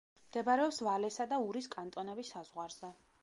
მდებარეობს ვალესა და ურის კანტონების საზღვარზე.